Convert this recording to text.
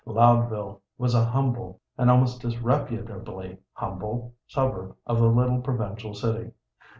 Loudville was a humble, an almost disreputably humble, suburb of the little provincial city.